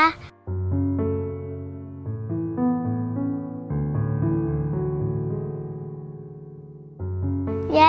อายุ๙ปี